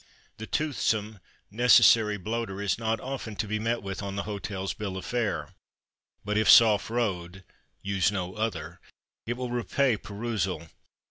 The toothsome, necessary bloater is not often to be met with on the hotel's bill of fare; but, if soft roed use no other it will repay perusal.